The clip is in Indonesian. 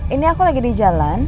ini aku lagi di jalan